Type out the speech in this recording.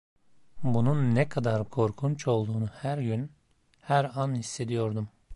Bunun ne kadar korkunç olduğunu her gün, her an hissediyordum.